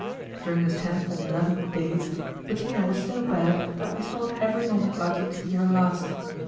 During the tenth and eleventh days, Bettina was so bad that we thought every moment likely to be her last.